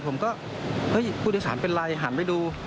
ผมก็เฮ้ยผู้โดยสารเป็นไรหันไปดู